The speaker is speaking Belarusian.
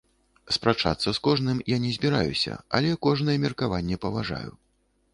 Спрачацца з кожным я не збіраюся, але кожнае меркаванне паважаю.